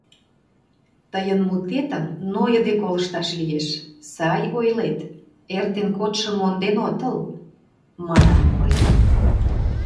— Тыйын мутетым нойыде колышташ лиеш, сай ойлет, эртен кодшым монден отыл, — манам мый.